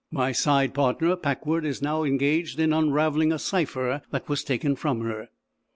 My side partner, Packwood, is now engaged in unraveling a cipher that was taken from her."